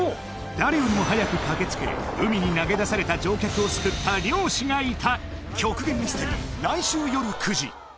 誰よりも早く駆けつけ海に投げ出された乗客を救った漁師がいた！